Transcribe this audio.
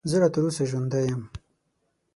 زه لا تر اوسه ژوندی یم .